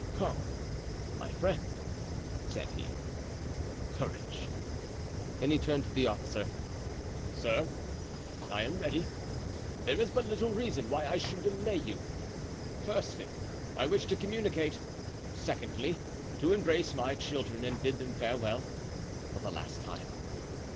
"Come, my friend," said he, "courage." Then he turned to the officer. "Sir, I am ready. There is but little reason why I should delay you. Firstly, I wish to communicate; secondly, to embrace my children and bid them farewell for the last time.